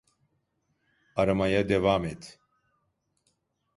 Aramaya devam et.